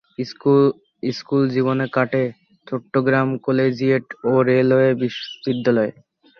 School জীবন কাটে Chittagong collegiate ও রেলওয়ে উচ্চ বিদ্যালয়ে।